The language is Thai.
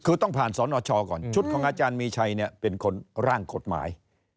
คือต้องผ่านสนชก่อนชุดของอาจารย์มีชัยเนี่ยเป็นคนร่างกฎหมาย